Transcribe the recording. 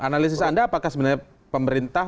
analisis anda apakah sebenarnya pemerintah